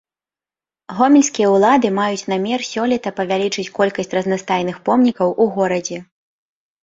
Гомельскія ўлады маюць намер сёлета павялічыць колькасць разнастайных помнікаў у горадзе.